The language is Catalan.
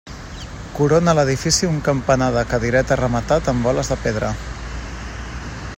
Corona l'edifici un campanar de cadireta rematat amb boles de pedra.